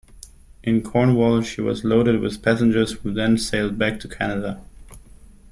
In Cornwall she was loaded with passengers who then sailed back to Canada.